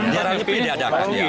di raya nyepi diadakan